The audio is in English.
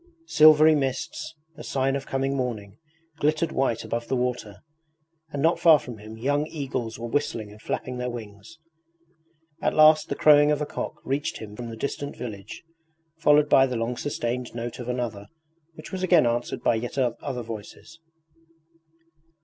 Silvery mists, a sign of coming morning, glittered white above the water, and not far from him young eagles were whistling and flapping their wings. At last the crowing of a cock reached him from the distant village, followed by the long sustained note of another, which was again answered by yet other voices.